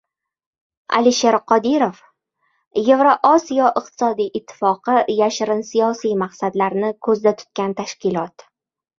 Alisher Qodirov: “Yevroosiyo iqtisodiy ittifoqi – yashirin siyosiy maqsadlarni ko‘zda tutgan tashkilot”